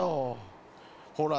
ほら。